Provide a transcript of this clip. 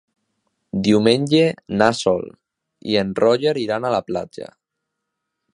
Diumenge na Sol i en Roger iran a la platja.